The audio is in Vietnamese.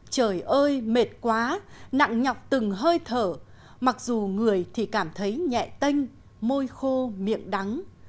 trời ơi mệt quá nặng nhọc từng hơi thở mặc dù người thì cảm thấy nhẹ tinh môi khô miệng đắng